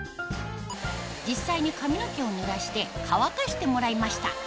実際に髪の毛をぬらして乾かしてもらいました